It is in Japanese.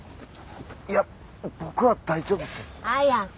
いや僕は大丈夫です。早く！